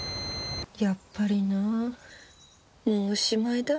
やっぱりなもうおしまいだ。